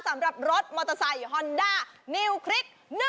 สำหรับรถมอเตอร์ไซค์ฮอนด้านิวคลิก